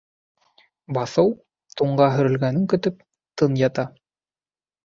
Баҫыу, туңға һөрөлгәнен көтөп, тын ята.